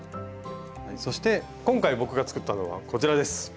そして今回僕が作ったのはこちらです。